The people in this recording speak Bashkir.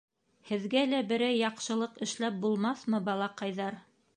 Һеҙгә лә берәй яҡшылыҡ эшләп булмаҫмы, балаҡайҙар?